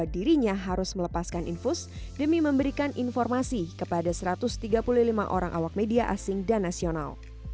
demi memberikan informasi kepada satu ratus tiga puluh lima orang awak media asing dan nasional